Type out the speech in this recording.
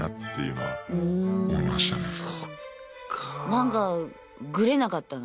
なんかグレなかったの？